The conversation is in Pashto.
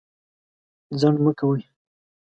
ځنډ مه کوئ.